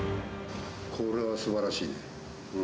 これはすばらしいね。